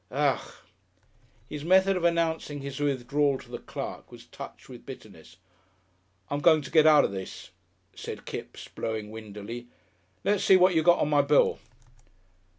Ugh!... His method of announcing his withdrawal to the clerk was touched with bitterness. "I'm going to get out of this," said Kipps, blowing windily. "Let's see what you got on my bill."